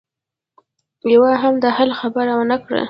يوه هم د حل خبره ونه کړه.